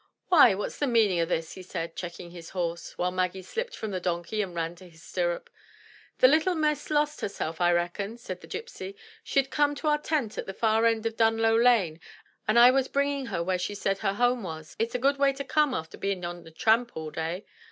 Why, what's the meaning o'this?" he said, checking his horse, while Maggie slipped from the donkey and ran to his stirrup. *The little miss lost herself, I reckon,'' said the gypsy. "She'd come to our tent at the far end o' Dunlow Lane, and I was bring ing her where she said her home was. It's a good way to come arter being on the tramp all day."